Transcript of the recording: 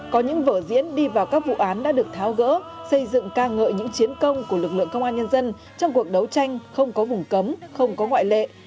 có những vở diễn đi vào các vụ án đã được tháo gỡ xây dựng ca ngợi những chiến công của lực lượng công an nhân dân trong cuộc đấu tranh không có vùng cấm không có ngoại lệ